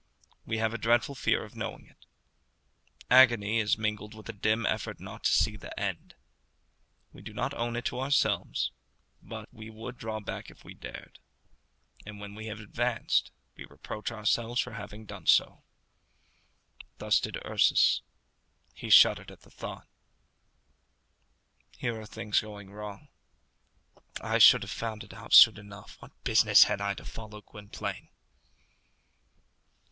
We have a dreadful fear of knowing it. Agony is mingled with a dim effort not to see the end. We do not own it to ourselves, but we would draw back if we dared; and when we have advanced, we reproach ourselves for having done so. Thus did Ursus. He shuddered as he thought, "Here are things going wrong. I should have found it out soon enough. What business had I to follow Gwynplaine?"